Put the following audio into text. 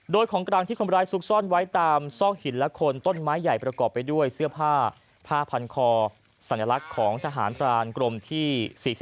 โดยของกลางที่คนร้ายซุกซ่อนไว้ตามซอกหินและคนต้นไม้ใหญ่ประกอบไปด้วยเสื้อผ้าผ้าพันคอสัญลักษณ์ของทหารพรานกรมที่๔๔